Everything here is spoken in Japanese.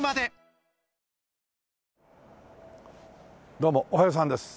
どうもおはようさんです。